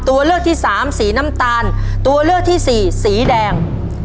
ตัวเลือกที่สามสีน้ำตาลตัวเลือกที่สี่สีแดง